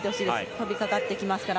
飛びかかってきますから。